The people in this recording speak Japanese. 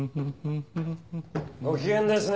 ・ご機嫌ですね